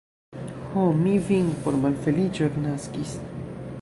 Ho, mi vin por malfeliĉo eknaskis.